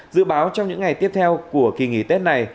dự báo trong những ngày tiếp theo của kỳ nghỉ tết này